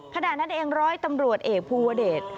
ขณะนั้นเองร้อยตำรวจเอกภูวเดช